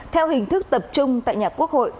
theo hình thức tập trung tại nhà quốc hội